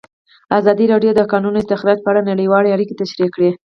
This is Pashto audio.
ازادي راډیو د د کانونو استخراج په اړه نړیوالې اړیکې تشریح کړي.